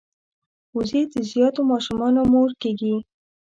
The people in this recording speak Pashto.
وزې د زیاتو ماشومانو مور کیږي